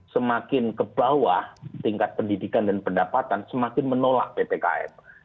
semakin ke bawah tingkat pendidikan dan pendapatan semakin menolak ppkm